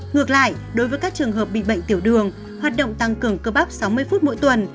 ngược lại đối với các trường hợp bị bệnh tiểu đường hoạt động tăng cường cơ bắp sáu mươi phút mỗi tuần